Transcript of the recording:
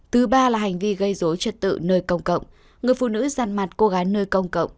thứ ba là hành vi gây dối trật tự nơi công cộng người phụ nữ gian mặt cô gái nơi công cộng